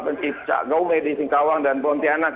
pencipta gaume di singkawang dan pontianak